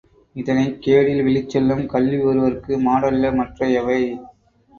இதனைக் கேடில் விழுச்செல்வம் கல்வி ஒருவற்கு மாடல்ல மற்றை யவை.